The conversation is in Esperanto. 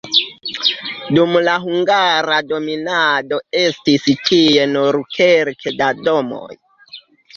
Dum la hungara dominado estis tie nur kelke da domoj.